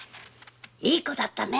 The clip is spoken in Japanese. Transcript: いい子だったね。